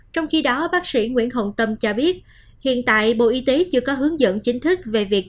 trong khi đó bác sĩ nguyễn hồng tâm cho biết hiện tại bộ y tế chưa có hướng dẫn chính thức về việc